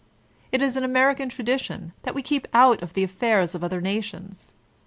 It is American tradition that we keep out of the affairs of other nations.